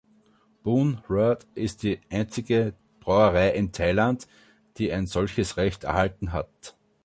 Boon Rawd ist die einzige Brauerei in Thailand, die ein solches Recht erhalten hat.